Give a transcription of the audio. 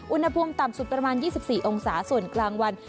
อุณหภูมิต่ำสุดประมาณ๒๔องศาส่วนกลางวัน